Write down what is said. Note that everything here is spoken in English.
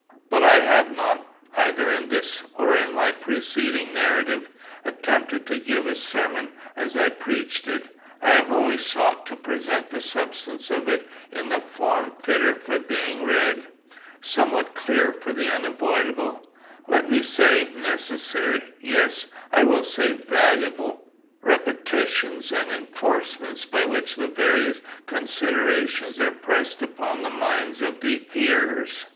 But I have not, either in this or in my preceding narrative, attempted to give a sermon as I preached it. I have only sought to present the substance of it in a form fitter for being read, somewhat cleared of the unavoidable, let me say necessary yes, I will say valuable repetitions and enforcements by which the various considerations are pressed upon the minds of the hearers.